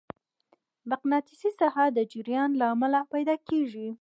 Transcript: مقناطیسي ساحه د جریان له امله پیدا کېږي.